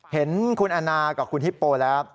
เห็นคุณแอนนากับคุณฮิปโปแล้ว